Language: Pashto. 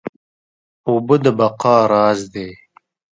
اوبه د بقا راز دي